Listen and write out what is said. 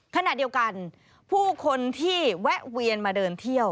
ขณะเดียวกันผู้คนที่แวะเวียนมาเดินเที่ยว